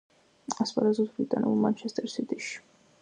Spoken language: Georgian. ასპარეზობს ბრიტანულ „მანჩესტერ სიტიში“.